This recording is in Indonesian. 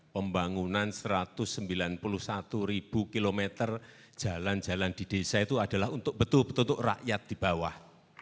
pembangunan satu ratus sembilan puluh satu km jalan jalan di desa itu adalah untuk betul betul untuk rakyat di bawah